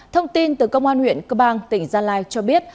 thông tin từ công an huyện cơ bang tỉnh gia lai cho biết